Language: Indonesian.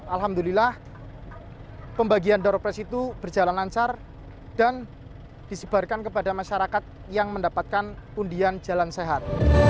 alhamdulillah pembagian door press itu berjalan lancar dan disebarkan kepada masyarakat yang mendapatkan undian jalan sehat